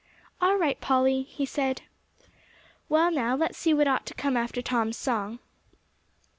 "All right, Polly," he said. "Well, now let's see what ought to come after Tom's song."